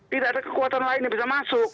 tidak ada kekuatan lain yang bisa masuk